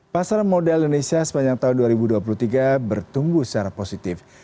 pasar modal indonesia sepanjang tahun dua ribu dua puluh tiga bertumbuh secara positif